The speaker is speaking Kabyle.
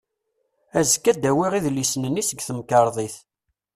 Azekka ad d-awiɣ idlisen-nni seg temkerḍit.